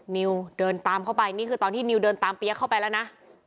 นิวเดินตามเข้าไปนี่คือตอนที่นิวเดินตามเปี๊ยกเข้าไปแล้วนะ